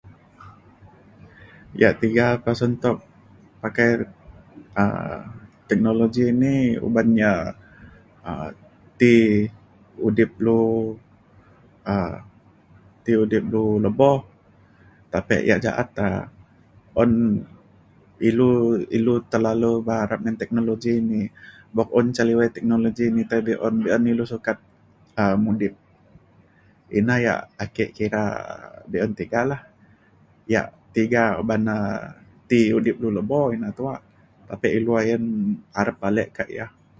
Ia tega pasen tok pakai um teknologi ini uban ia um ti udip lu um ti udip lu leboh tapek ia ja'at ta un ilu ilu terlalu berharap ngan teknologi ini bok un ca liwai teknologi ni tai be un, be un ilu sukat um mudip. Ina ia ake kira um be un tega lah. Ia tega uban na ti udip ilo leboh ina tuak. Tapi ilu ayen arep alek ka ia.